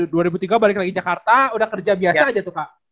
dua ribu tiga balik lagi jakarta udah kerja biasa aja tuh kak